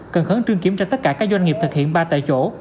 cần khớn trương kiểm cho tất cả các doanh nghiệp thực hiện ba tại chỗ